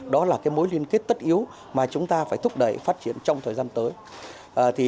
đó là mối liên kết tất yếu mà chúng ta phải thúc đẩy phát triển trong thời gian tới